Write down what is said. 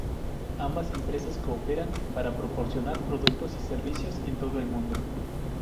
Ambas empresas cooperan para proporcionar productos y servicios en todo el mundo.